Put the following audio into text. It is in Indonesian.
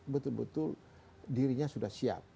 betul betul dirinya sudah siap